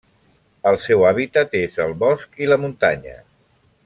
El seu hàbitat és el bosc i la muntanya.